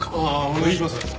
ああお願いします。